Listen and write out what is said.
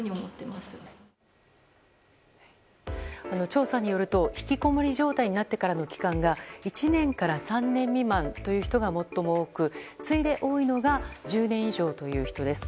調査によるとひきこもり状態になってからの期間が１年から３年未満という人が最も多く次いで多いのが１０年以上という人です。